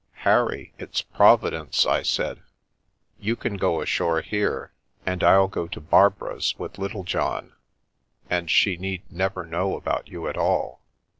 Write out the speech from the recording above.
" Harry, it's Providence," I said. " You can go ashore here and I'll go to Barbara's with Littlejohn, and she never need know about you at all."